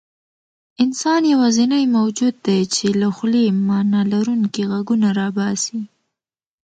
انسان یواځینی موجود دی، چې له خولې معنیلرونکي غږونه راباسي.